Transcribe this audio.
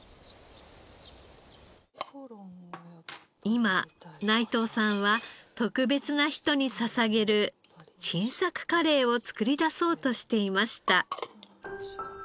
今内藤さんは特別な人に捧げる新作カレーを作り出そうとしていました。